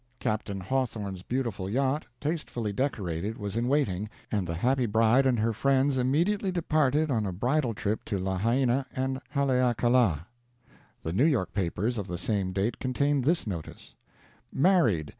Captain Hawthorne's beautiful yacht, tastefully decorated, was in waiting, and the happy bride and her friends immediately departed on a bridal trip to Lahaina and Haleakala. The New York papers of the same date contained this notice: MARRIED.